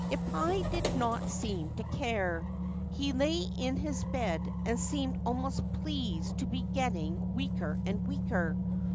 Ippai did not seem to care ; he lay in his bed and seemed almost pleased to be getting weaker and weaker.